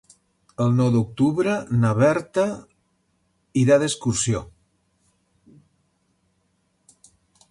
El nou d'octubre na Berta irà d'excursió.